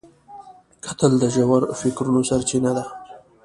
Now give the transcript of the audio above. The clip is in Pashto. کتل د ژور فکرونو سرچینه ده